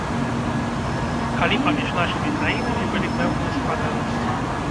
Калі паміж нашымі краінамі былі пэўныя складанасці.